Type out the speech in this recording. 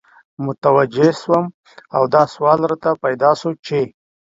متوجه سوم او دا سوال راته پیدا سو چی